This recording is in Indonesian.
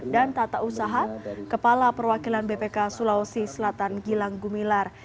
tata usaha kepala perwakilan bpk sulawesi selatan gilang gumilar